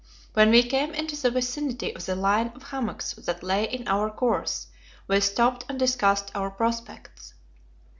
When we came into the vicinity of the line of hummocks that lay in our course, we stopped and discussed our prospects.